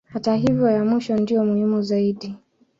Hata hivyo ya mwisho ndiyo muhimu zaidi.